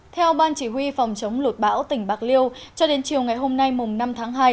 theo ban chỉ huy phòng chống lụt bão tỉnh bạc liêu cho đến chiều ngày hôm nay năm tháng hai